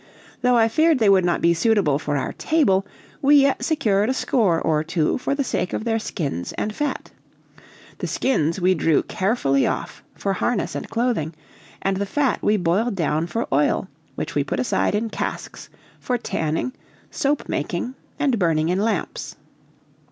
Though I feared they would not be suitable for our table, we yet secured a score or two for the sake of their skins and fat. The skins we drew carefully off for harness and clothing, and the fat we boiled down for oil, which we put aside in casks for tanning, soap making, and burning in lamps.